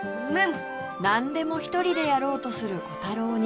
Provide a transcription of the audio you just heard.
なんでも一人でやろうとするコタローに